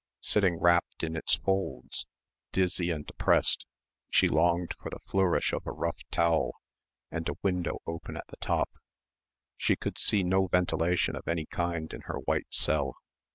Sitting wrapped in its folds, dizzy and oppressed, she longed for the flourish of a rough towel and a window open at the top. She could see no ventilation of any kind in her white cell.